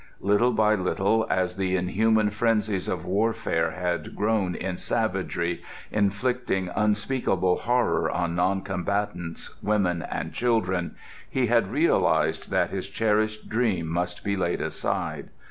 Little by little, as the inhuman frenzies of warfare had grown in savagery, inflicting unspeakable horror on non combatants, women and children, he had realized that his cherished dream must be laid aside.